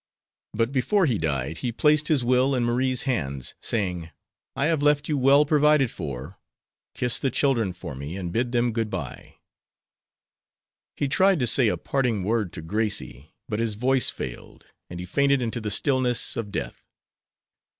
But before he died he placed his will in Marie's hands, saying: "I have left you well provided for. Kiss the children for me and bid them good bye." He tried to say a parting word to Gracie, but his voice failed, and he fainted into the stillness of death.